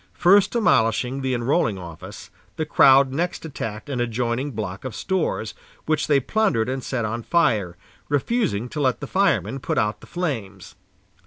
First demolishing the enrolling office, the crowd next attacked an adjoining block of stores, which they plundered and set on fire, refusing to let the firemen put out the flames.